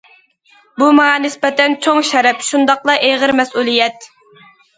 بۇ ماڭا نىسبەتەن چوڭ شەرەپ، شۇنداقلا ئېغىر مەسئۇلىيەت.